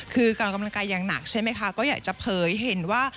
คือกำลังกายอย่างหนักใช่ไหมคะก็อยากจะเผยเห็นว่า